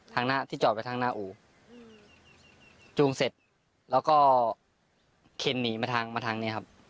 ทางหน้าที่จอดไว้ทางหน้าอู่จูงเสร็จแล้วก็เข็นหนีมาทางมาทางนี้ครับ